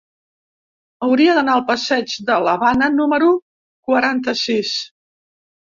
Hauria d'anar al passeig de l'Havana número quaranta-sis.